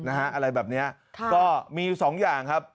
อะไรแบบนี้ก็มี๒อย่างครับ